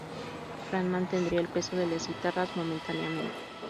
Fran mantendría el peso de las guitarras momentáneamente.